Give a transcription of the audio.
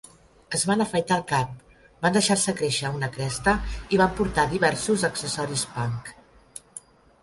Es van afaitar el cap, van deixar-se créixer una cresta i van portar diversos accessoris punk.